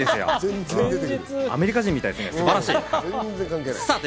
アメリカ人みたいですね、素晴らしい。